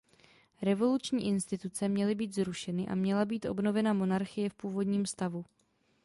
Revoluční instituce měly být zrušeny a měla být obnovena monarchie v původním stavu.